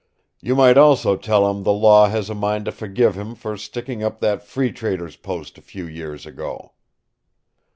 "You might also tell him the law has a mind to forgive him for sticking up that free trader's post a few years ago."